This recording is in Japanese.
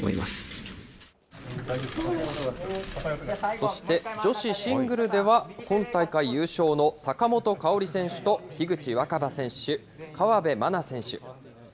そして、女子シングルでは今大会優勝の坂本花織選手と樋口新葉選手、河辺愛菜選手。